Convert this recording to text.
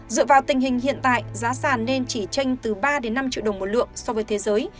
dựa vào tình hình hiện tại giá sàn nên chỉ tranh từ ba năm triệu đồng một lượng so với thế giới